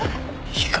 いいか？